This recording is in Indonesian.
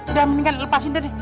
udah mendingan lepasin deh